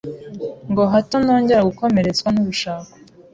ngo hato ntongera gukomeretswa n’urushako.